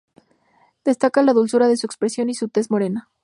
Destaca la dulzura de su expresión y su tez morena.